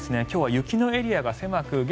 今日は雪のエリアが狭く